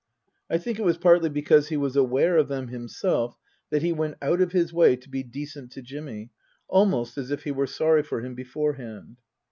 I think it was partly because he was aware of them himself that he went out of his way to be decent to Jimmy, almost as if he were sorry for him beforehand.